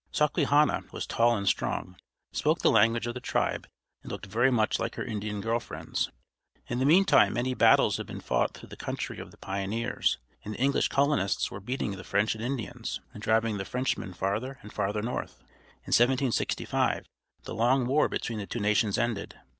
Sawquehanna was tall and strong, spoke the language of the tribe, and looked very much like her Indian girl friends. In the meantime many battles had been fought through the country of the pioneers, and the English colonists were beating the French and Indians, and driving the Frenchmen farther and farther north. In 1765 the long war between the two nations ended.